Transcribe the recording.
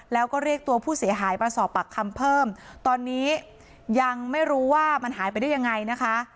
แล้วก็เรียกตัวผู้เสียหายมาสอบปากคำเพิ่มตอนนี้ยังไม่รู้ว่ามันหายไปได้ยังไงนะคะ